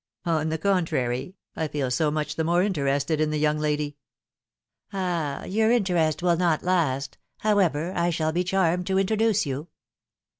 " On the contrary, I feel so much the more interested in the yowng lady." " Ah, your interest will not last. However, I shall be charmed to introduce you."